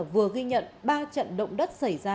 vừa ghi nhận ba trận động đất xảy ra